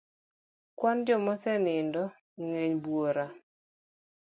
Kwan joma osenindo ng'eny buora.